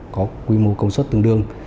có quy mô công suất tương đương